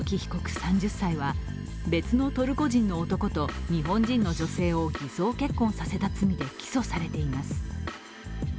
３０歳は別のトルコ人の男と日本人の女性を偽装結婚させた罪で起訴されています。